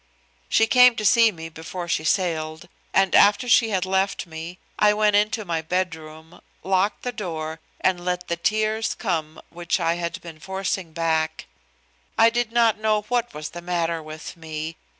She came to see me before she sailed, and after she had left me, I went into my bedroom, locked the door, and let the tears come which I had been forcing back. I did not know what was the matter with me.